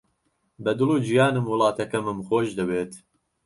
بە دڵ و گیانم وڵاتەکەمم خۆش دەوێت.